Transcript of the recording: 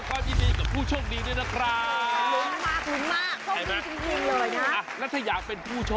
คุณสมนึกรอยบุตร